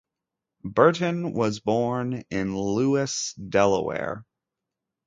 Burton was born in Lewes, Delaware.